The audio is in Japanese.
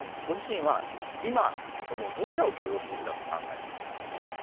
ご自身は今、どちらを許容すべきだと考えていますか？